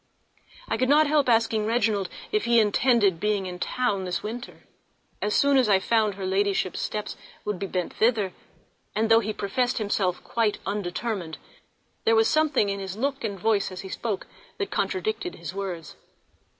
I could not help asking Reginald if he intended being in London this winter, as soon as I found her ladyship's steps would be bent thither; and though he professed himself quite undetermined, there was something in his look and voice as he spoke which contradicted his words.